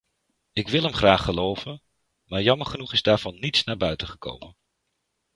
Ik wil hem graag geloven, maar jammer genoeg is daarvan niets naar buiten gekomen.